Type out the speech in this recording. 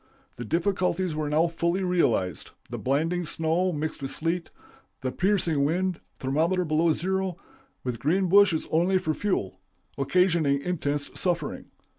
The difficulties were now fully realized; the blinding snow, mixed with sleet; the piercing wind, thermometer below zero with green bushes only for fuel occasioning intense suffering.